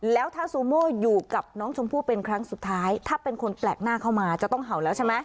แล้วถ้าซูโม่อยู่กับน้องชมพู่เป็นครั้งสุดท้ายถ้าเป็นคนแปลกหน้าเข้ามาจะต้องเห่าแล้วใช่ไหม